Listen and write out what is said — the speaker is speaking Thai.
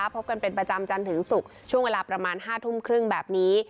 พบกันเป็นประจำจันทร์ถึงศุกร์ช่วงเวลาประมาณ๕ทุ่มครึ่งแบบนี้